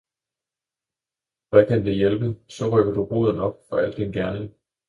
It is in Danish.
Hvad kan det hjælpe, så rykker du roden op for al din gerning!